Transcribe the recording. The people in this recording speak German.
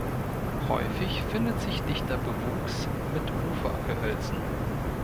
Häufig findet sich dichter Bewuchs mit Ufergehölzen.